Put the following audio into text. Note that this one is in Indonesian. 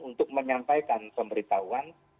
untuk menyampaikan pemberitahuan